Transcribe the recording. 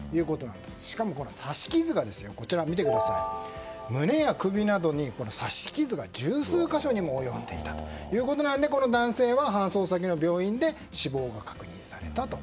しかも、これは刺し傷が胸や首などに刺し傷が十数か所にも及んでいたということなのでこの男性は搬送先の病院で死亡が確認されたと。